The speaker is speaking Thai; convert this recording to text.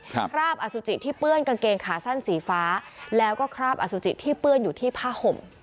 คราบอสุจิที่เปื้อนกางเกงขาสั้นสีฟ้าแล้วก็คราบอสุจิที่เปื้อนอยู่ที่ผ้าห่ม